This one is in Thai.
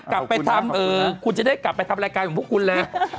คุณซี่จะได้กลับไปทำรายการของพวกคุณแล้ว